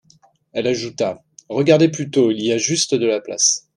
Elle ajouta : Regardez plutôt, il y a juste de la place.